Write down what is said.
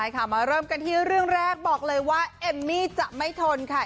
มาเริ่มกันที่เรื่องแรกบอกเลยว่าเอมมี่จะไม่ทนค่ะ